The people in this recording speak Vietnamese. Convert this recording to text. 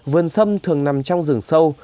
vườn sâm thường nằm trong rừng sâu